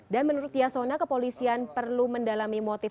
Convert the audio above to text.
dan menurut yasona kepolisian perlu mendalami motif